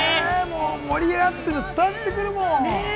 盛り上がってるの伝わってくるもん。